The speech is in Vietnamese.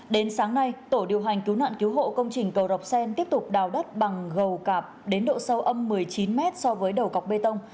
đến sáng nay tổ điều hành cứu nạn cứu hộ công trình cầu rạch sen tiếp tục đào đất bằng gầu cạp đến độ sâu âm một mươi chín mét so với đầu cọc bê tông